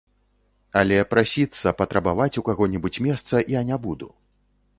Але прасіцца, патрабаваць у каго-небудзь месца я не буду.